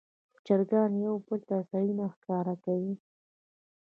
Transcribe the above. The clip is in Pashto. چرګان یو بل ته ځانونه ښکاره کوي.